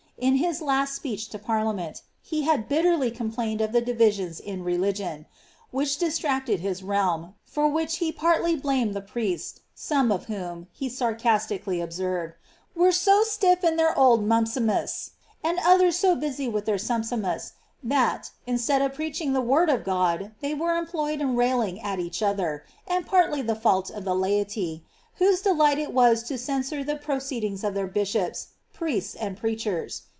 In his last speech to parliament, he had bitterly complained of the divisions in re ligion, which distracted his realm, for which he ^partly blamed the priests, some of whom,'' he sarcastically observed, ^ were so stiff in their old mumpsitnus^ and others so busy with their sumpsimus^ that, instead of preaching the word of God, they were employed in railing at each other;' and partly the fault of the laity, whose delight it was to censure the proceedings of their bishops, priests, and preachers.